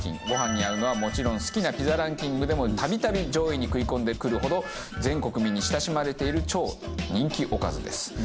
ご飯に合うのはもちろん好きなピザランキングでも度々上位に食い込んでくるほど全国民に親しまれている超人気おかずです。